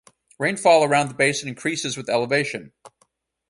Rainfall around the basin increases with elevation.